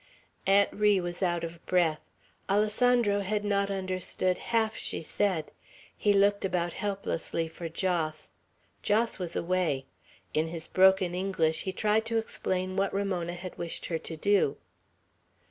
Aunt Ri was out of breath. Alessandro had not understood half she said. He looked about helplessly for Jos. Jos was away. In his broken English he tried to explain what Ramona had wished her to do.